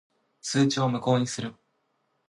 通知を無効にする。